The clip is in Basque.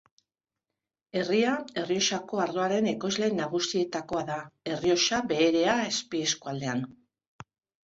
Herria Errioxako ardoaren ekoizle nagusietakoa da, Errioxa Beherea azpieskualdean.